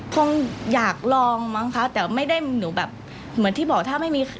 คงอยากลองมั้งคะแต่ไม่ได้หนูแบบเหมือนที่บอกถ้าไม่มี